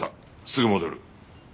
すぐ戻る。